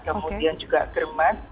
kemudian juga germas